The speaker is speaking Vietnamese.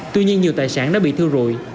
tuy nhiên nhiều tài sản đã bị thiêu rụi